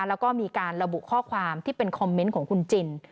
แล้วก็มีการระบุข้อความที่เป็นคอมเมนต์ของคุณจิน